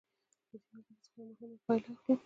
له دې مطالبو څخه موږ یوه مهمه پایله اخلو